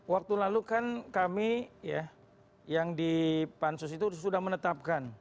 waktu lalu kan kami ya yang di pansus itu sudah menetapkan